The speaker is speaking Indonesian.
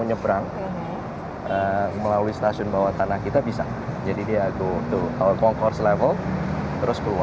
nyebrang melalui stasiun bawah tanah kita bisa jadi dia go to all concourse level terus dia bisa